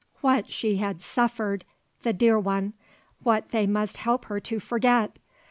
What she had suffered! the dear one. What they must help her to forget!